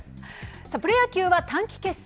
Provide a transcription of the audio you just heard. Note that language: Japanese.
プロ野球は短期決戦。